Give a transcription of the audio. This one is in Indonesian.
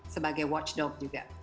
sebagai watchdog juga